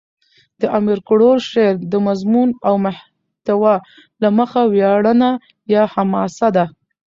د امیر کروړ شعر دمضمون او محتوا له مخه ویاړنه یا حماسه ده.